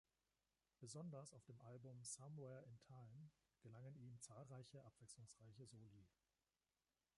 Besonders auf dem Album "Somewhere In Time" gelangen ihm zahlreiche abwechslungsreiche Soli.